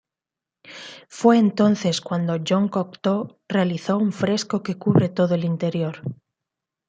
Fue entonces cuando Jean Cocteau realizó un fresco que cubre todo el interior.